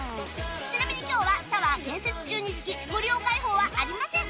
ちなみに今日はタワー建設中につき無料開放はありません